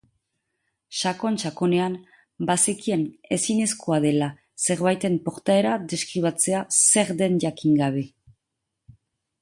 Sakon-sakonean, bazekien ezinezkoa dela zerbaiten portaera deskribatzea zer den jakin gabe.